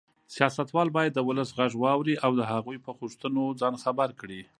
سیاستوال باید د ولس غږ واوري او د هغوی په غوښتنو ځان خبر کړي.